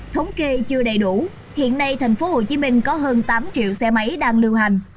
thống kê chưa đầy đủ hiện nay thành phố hồ chí minh có hơn tám triệu xe máy đang lưu hành